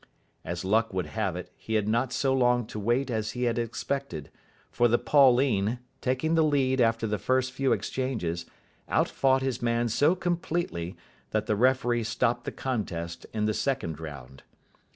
As luck would have it, he had not so long to wait as he had expected, for the Pauline, taking the lead after the first few exchanges, out fought his man so completely that the referee stopped the contest in the second round.